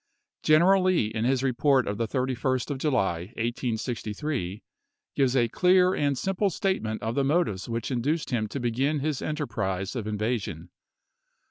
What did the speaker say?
General Lee in his report of the 31st of July, 1863, gives a clear and simple statement of the motives which induced him to begin his enterprise of invasion.